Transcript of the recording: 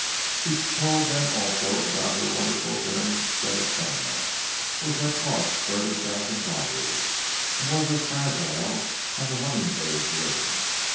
He told them also about her wonderful dinner set of china, which had cost thirty thousand dollars, and was as fragile as a humming bird's wing.